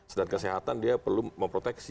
selain kesehatan dia perlu memproteksi